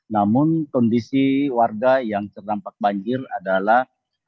namun kondisi warga yang terdampak banjir adalah